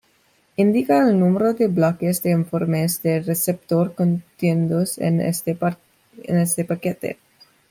Indica el número de bloques de informes de receptor contenidos en este paquete.